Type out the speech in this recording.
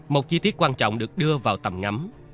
một chi tiết quan trọng được đưa vào tầm ngắm